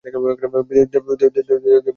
দেবীর এখানে অস্টভুজা।